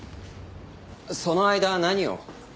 その間何を？